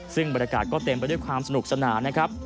ซึ่งบรรยากาศก็เต็มไปด้วยความสนุกสนานนะครับ